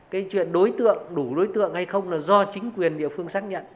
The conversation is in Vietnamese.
cái chuyện đối tượng đủ đối tượng hay không là do chính quyền địa phương xác nhận